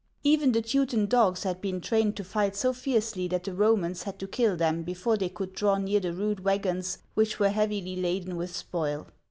Even the Teuton dogs had been trained to fight so fiercely that the Romans had to kill them before they could draw near the rude wagons which were heavily laden with spoil.